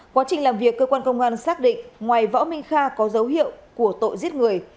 quá trình làm việc cơ quan công an xác định ngoài võ minh kha có dấu hiệu của tội giết người